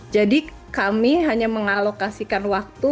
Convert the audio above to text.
jadi kami hanya mengalokasikan waktu